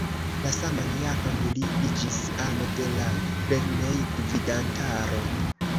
La saman jaron li iĝis ano de la lernejgvidantaro.